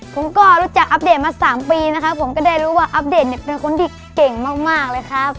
ผมก็รู้จักอัปเดตมา๓ปีนะครับผมก็ได้รู้ว่าอัปเดตเนี่ยเป็นคนที่เก่งมากเลยครับ